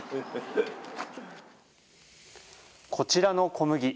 こちらの小麦。